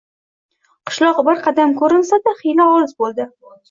Qishloq bir qadam ko‘rinsa-da, xiyla olis bo‘ldi.